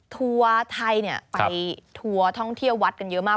ทัวร์ไทยไปทัวร์ท่องเที่ยววัดกันเยอะมาก